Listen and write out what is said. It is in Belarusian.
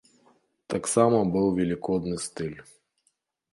Таксама быў велікодны стыль.